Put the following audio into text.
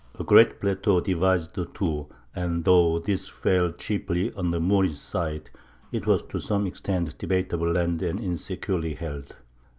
A great plateau divides the two, and though this fell chiefly on the Moorish side, it was to some extent debatable land and insecurely held.